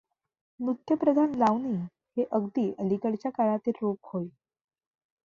नृत्यप्रधान लावणी हे अगदी अलीकडच्या काळातील रूप होय.